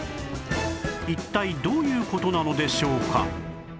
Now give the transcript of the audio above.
一体どういう事なのでしょうか？